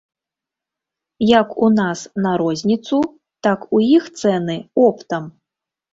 Як у нас на розніцу, так у іх цэны оптам.